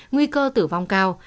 nguy cơ tử vong cao